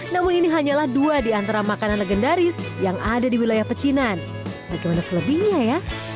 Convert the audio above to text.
namun ini hanyalah dua di antara makanan legendaris yang ada di wilayah pecinan bagaimana selebihnya ya